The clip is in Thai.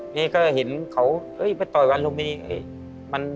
นี่ก็เห็นเขาไปต่อยวันลุมนี้